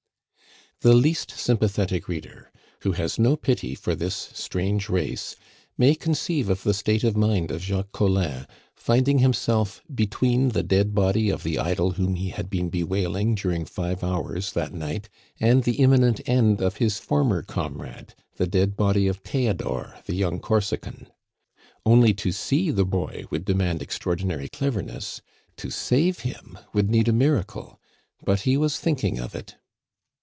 The least sympathetic reader, who has no pity for this strange race, may conceive of the state of mind of Jacques Collin, finding himself between the dead body of the idol whom he had been bewailing during five hours that night, and the imminent end of his former comrade the dead body of Theodore, the young Corsican. Only to see the boy would demand extraordinary cleverness; to save him would need a miracle; but he was thinking of it.